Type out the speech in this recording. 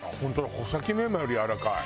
穂先メンマよりやわらかい。